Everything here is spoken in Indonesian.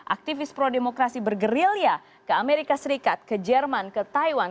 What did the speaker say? aktivis pro demokrasi bergerilya ke amerika serikat ke jerman ke taiwan